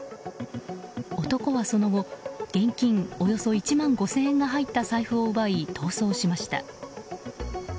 男はその後、現金およそ１万５０００円が入った財布を奪い、逃走しました。